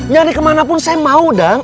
nyari kemana pun saya mau dang